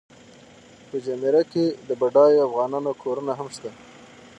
په جمیره کې د بډایو افغانانو کورونه هم شته.